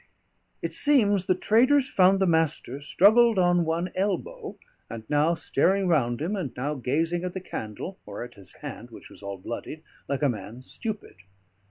It seems the traders found the Master struggled on one elbow, and now staring round him, and now gazing at the candle, or at his hand, which was all bloodied, like a man stupid.